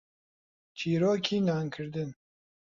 تیرۆکی نانکردن.